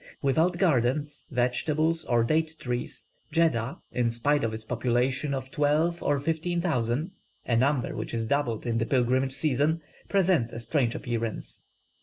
Without gardens, vegetables, or date trees, Jeddah, in spite of its population of twelve or fifteen thousand (a number which is doubled in the pilgrimage season) presents a strange appearance.